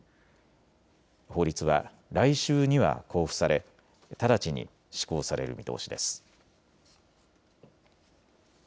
法律は来週には公布され直ちに施行される見通しです。